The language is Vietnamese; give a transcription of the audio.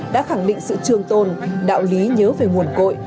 đã khẳng định sự trường tồn đạo lý nhớ về nguồn cội